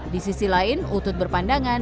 di sisi lain utut berpandangan